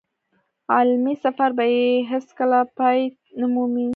علمي سفر به يې هېڅ کله پای نه مومي.